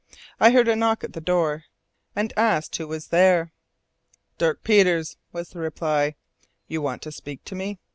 I heard a knock at the door, and asked who was there. "Dirk Peters," was the reply. "You want to speak to me?"